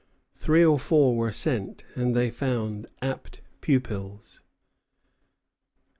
Three or four were sent, and they found apt pupils.